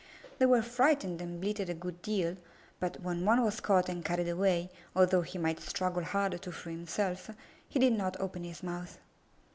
They were frightened and bleated a good deal, but when one was caught and carried away, although he might struggle hard to free himself, he did not open his mouth.